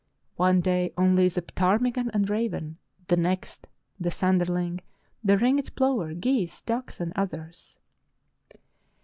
One day only the ptarmigan and raven, the next the sanderling, the ringed plover, geese, ducks, and others."